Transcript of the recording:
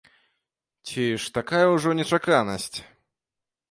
Ці ж такая ўжо нечаканасць?